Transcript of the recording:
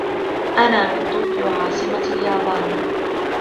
أنا من طوكيو عاصمة اليابان.